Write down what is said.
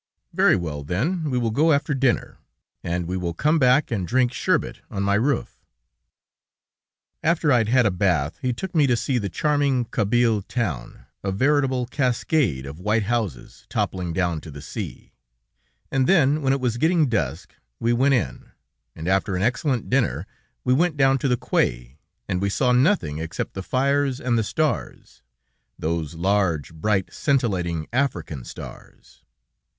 "Very well, then, we will go after dinner, and we will come back and drink sherbet on my roof." After I had had a bath, he took me to see the charming Kabyle town, a veritable cascade of white houses toppling down to the sea, and then, when it was getting dusk, we went in, and after an excellent dinner, we went down to the quay, and we saw nothing except the fires and the stars, those large, bright, scintillating African stars.